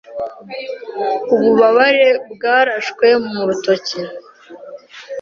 Ububabare bwarashwe mu rutoki.